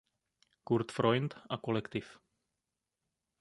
Kurt Freund a kol.